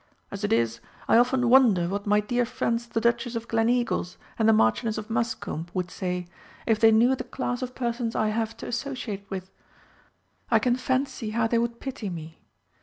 As it is, I often wonder what my dear friends the Duchess of Gleneagles and the Marchioness of Muscombe would say if they knew the class of persons I have to associate with. I can fancy how they would pity me.